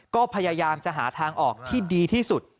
ก็พยายามจะหาทางออกที่ดีที่สุด